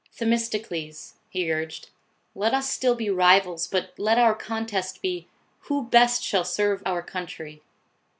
"Themistocles," he urged, "let us still be rivals, but let our contest be, who best shall serve our country."